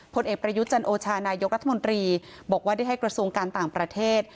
ผลเอกประยุทธ์จันโอชานายกรัฐมนตรีบอกว่าได้ให้กระทรวงการต่างประเทศ